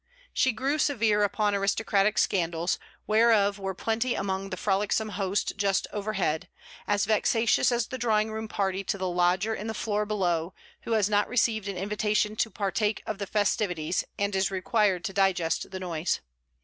She grew severe upon aristocratic scandals, whereof were plenty among the frolicsome host just overhead, as vexatious as the drawing room party to the lodger in the floor below, who has not received an invitation to partake of the festivities and is required to digest the noise.